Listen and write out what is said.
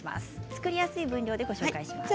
作りやすい分量でご紹介します。